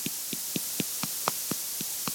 ژوند که لا کولای شئ، نو دا ولې؟